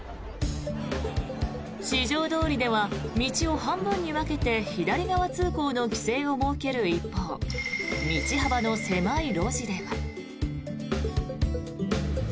四条通では、道を半分に分けて左側通行の規制を設ける一方道幅の狭い路地では。